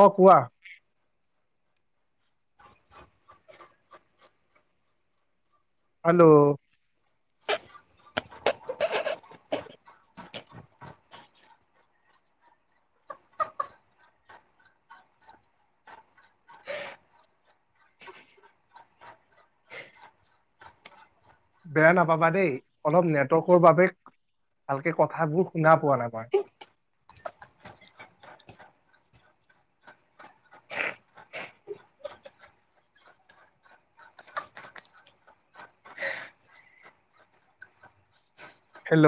অ কোৱা? হেল্ল'। বেয়া নাপাবা দেই অলপ নেটৱৰ্কৰ বাবে ভালকে কথাবোৰ শুনা পোৱা নাই মই। হেল্ল'।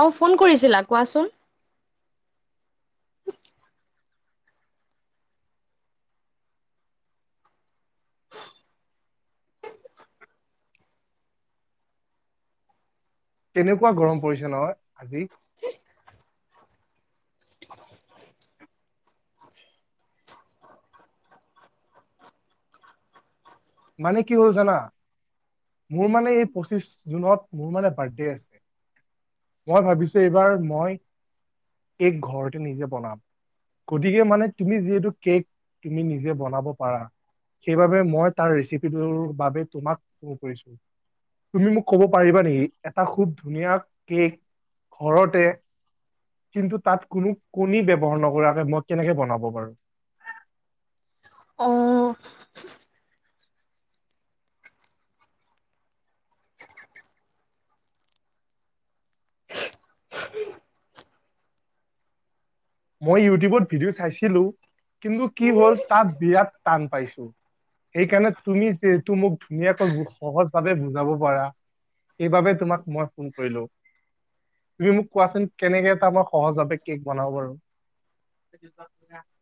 অ ফোন কৰিছিলা, কোৱাচোন? কেনেকুৱা গৰম পৰিছে নহয় আজি? মানে কি হ'ল জানা? মোৰ মানে এই পঁচিশ জুনত মোৰ মানে বাৰ্থডে আছে। মই ভাবিছো এইবাৰ মই কেক ঘৰতে নিজে বনাম। গতিকে মানে তুমি যিহেতু কেক তুমি নিজে বনাব পাৰা সেইবাবে মই তাৰ ৰেচিপিটোৰ বাবে তোমাক ফোন কৰিছো। তুমি মোক কব পাৰিবা নেকি এটা খুব ধুনীয়া কেক ঘৰতে কিন্তু তাত কোনো কণী ব্যৱহাৰ নকৰাকে মই কেনেকে বনাব পাৰো? অ। মই ইউটিউবত ভিডিঅ' চাইছিলো, কিন্তু কি হ'ল তাত বিৰাট টান পাইছো। সেইকাৰণে তুমি যিহেতু মোক ধুনীয়াকৈ সহজ ভাৱে বুজাব পাৰা। সেইবাবে তোমাক মই ফোন কৰিলো। তুমি মোক কোৱাচোন কেনেকে এটা মই সহজভাৱে কেক বনাব পাৰো। [unintelligible]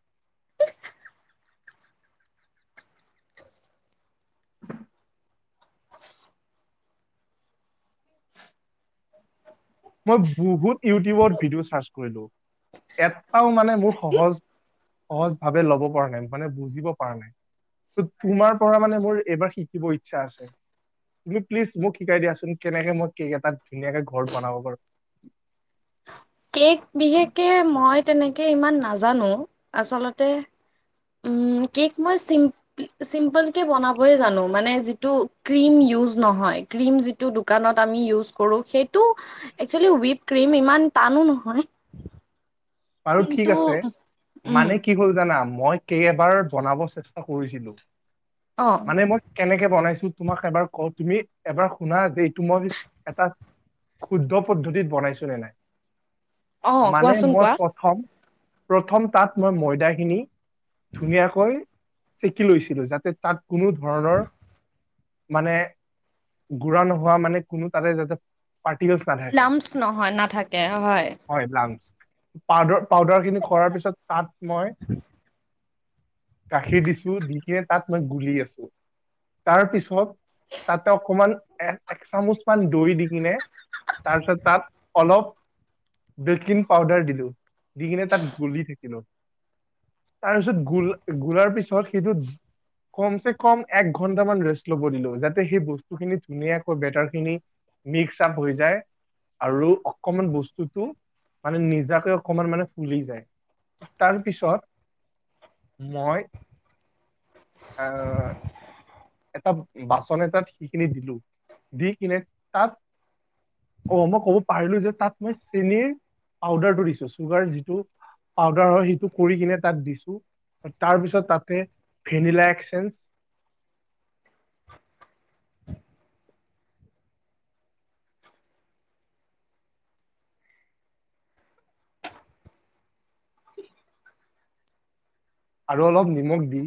মই বহুত ইউটিউবত ভিডিঅ' চাৰ্চ কৰিলো এটাও মানে মোৰ সহজ, সহজ ভাৱে ল'ব পৰা নাই মানে বুজিব পৰা নাই। ত তোমাৰ পৰা মানে মোৰ এইবাৰ শিকিব ইচ্ছা আছে। কিন্তু প্লিজ মোক শিকাই দিয়াচোন কেনেকে মই কেক এটা ধুনীয়াকে ঘৰত বনাব পাৰো। কেক বিশেষকে মই তেনেকে ইমান নাজানো আচলতে, কেক মই চিম চিম্পল কে বনাবয়ে জানো মানে যিটো ক্ৰীম ইউজ নহয় ক্ৰীম যি, দোকানত আমি ইউজ কৰো সেইটো একচেলি হুইপ ক্ৰিম ইমান টানো নহয়, বাৰু ঠিক কিন্তু আছে উম মানে কি, কি কৰো জানা মই কেইবাৰ বনাব চেষ্টা কৰিছিলো অ মানে মই, কেনেকে বনাইছো তোমাক এবাৰ ক তুমি এবাৰ শুনা যে এইটো মই এটা, শুদ্ধ পদ্ধতিত বনাইছো নে নাই। অ মানে কোৱাচোন মই কোৱা প্ৰথম প্ৰথম তাত মই ময়দাখিনি, ধুনীয়াকৈ চেকি লৈছিলোঁ যাতে তাত কোনো ধৰণৰ, ভানে গুৰা নোহোৱা মানে কোনো তাতে যাতে, পাৰিকেলছ না নামচ নহয় নাথাকে হয়। হয় লাংচ। পাউদাৰ পাউদাৰ খিনি কৰাৰ পাছত তাত মই, গাখীৰ দিছো দি কিনে তাত মই গুলি আছো। তাৰ পিছত তাতে অকনমান এ এক চামুচ মান দৈ দি কিনে তাৰপিছত তাত অলপ, বেকিং পাউদাৰ দিলোঁ, দি কিনে তাত গুলি থাকিলোঁ। তাৰপিছত গোল গোলাৰ পিছত সেইটোত, কম চে কম এক ঘন্টা মান ৰেষ্ট লব দিলো যাতে সেই বস্তুখিনি ধুনীয়াকৈ বেটাৰ খিনি, মিক্স আপ হৈ যায় আৰু অকনমান বস্তুটো মানে নিজাকৈ, অকমান মানে ফুলি যায় তাৰ পিছত মই, আ বাচন এটাত সিখিনি দিলো দি কিনে তাত, অ মই ক'ব পাহৰিলো যে তাত মই চেনীৰ পাউদাৰটো দিছো চুগাৰ যিটো, পাউদাৰ হয় সেইটো কৰি কিনে তাত দিছো তাৰ পিছত তাতে ভেনিলা এক্সেঞ্জ, আৰু অলপ নিমখ দি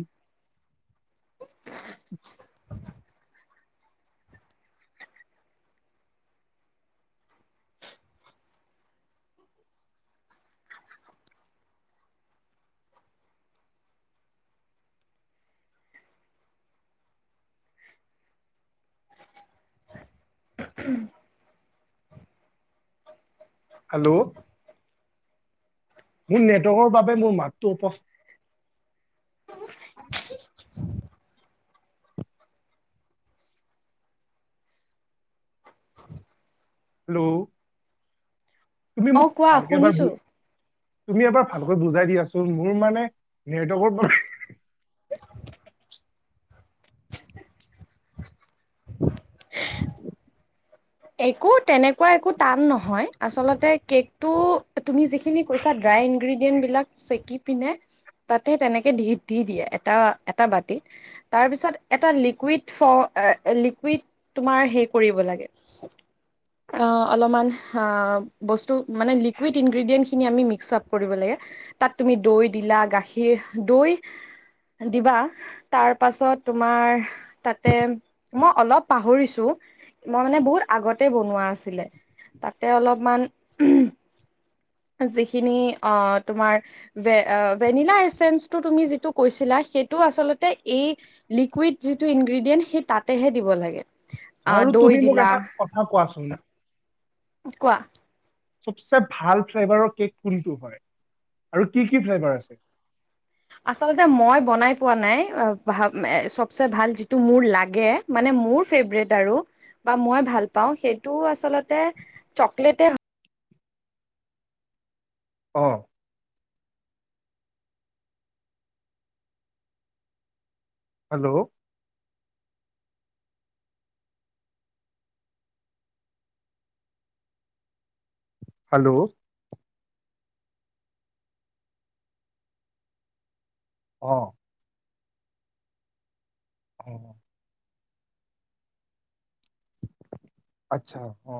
উম হেল্ল' ভোৰ নেটৱৰ্কৰ বাবে মোৰ মাতটো উপছ হেল্ল' তুমি অ মোক কোৱা ভালকে এবাৰ শুনিছো বু তুমি এবাৰ ভালকৈ বুজাই দিয়াচোন মোৰ মানে নেটৱৰ্কৰ প একো তেনেকুৱা একো টান নহয় আচলতে কেকটো তুমি যিখিনি, পিছে ড্ৰাই ইনগ্ৰেডিয়েণ্টবিলাক চেকি পিনে, তাতে তেনেকে দি দি দিয়ে এটা এটা বাতিত। তাৰপিছত এটা লিকুইড ফ লিকুইড তোমাৰ হেৰি কৰিব লাগে। [inaudible] অ' অলপমান আ, বস্তু মানে লিকুইড ইনগ্ৰেডিয়েন্টখিনি আমি মিক্স আপ কৰিব লাগে। তাত তুমি দৈ দিলা, গাখীৰ, দৈ দিবা তাৰ পাছত তোমাৰ তাতে মই অলপ পাহৰিছো মই মানে বহুত আগতে বনোৱা আছিলে, তাতে অলপমান যিখিনি অ' তোমাৰ ভে ভেনিলা এচেঞ্চটো তুমি যিটো কৈছিলা সেইটো আচলতে এই লিকুইড যিটো ইনগ্ৰেডিয়েণ্ট সেই তাতেহে দিব লাগে। আহ বাৰু দৈ তুমি মোক দিলা এটা কথা কোৱাচোন কোৱা। চবচে ভাল ফ্লেভাৰৰ কেক কোনটো হয় আৰু কি কি ফ্লেভাৰ আছে? আচলতে মই বনাই পোৱা নাই, চবচে ভাল যিটো মোৰ লাগে মানে মোৰ ফেভৰেট আৰু বা মই ভাল পাওঁ সেইটো আচলতে চকলেটে হ অ'। হেল্ল'। হেল্ল'। অ'। অ'। আচ্ছা, অ'।